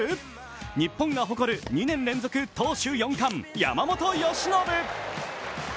日本が誇る２年連続投手４冠山本由伸。